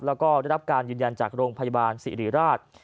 แล้วก็ได้รับการยืนยันจากโรงพยาบาลสิริราช